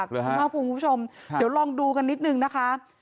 คุณภาคภูมิคุณผู้ชมเดี๋ยวลองดูกันนิดนึงนะคะ